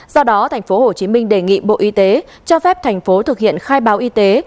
do đó tp hcm đề nghị bộ y tế cho phép thành phố thực hiện khai báo y tế